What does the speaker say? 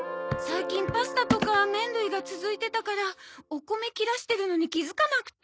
最近パスタとか麺類が続いてたからお米切らしてるのに気づかなくて。